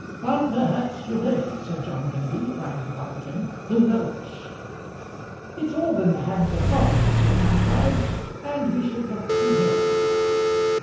"And perhaps you may," said John Kenneby, trying to comfort him; "who knows?" "It's all in the hands of Providence," said Kantwise, "and we should look to him."